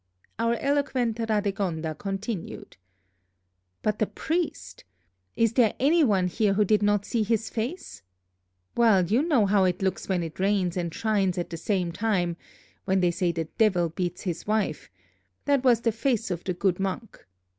Our eloquent Radegonda continued: "But the priest! Is there any one here who did not see his face? Well, you know how it looks when it rains and shines at the same time, when they say the Devil beats his wife, that was the face of the good monk.